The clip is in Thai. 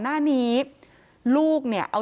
ศพที่สอง